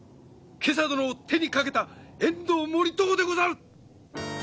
袈裟殿を手にかけた遠藤盛遠でござる！